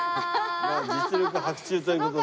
まあ実力伯仲という事で。